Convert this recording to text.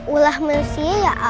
ulah manusia yaa